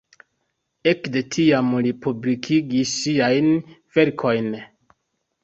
Ekde tiam li publikigis siajn verkojn.